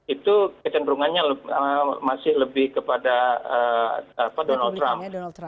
itu kecenderungannya masih lebih kepada donald trump